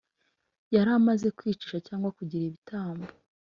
yari amaze kwicisha cyangwa kugira ibitambo.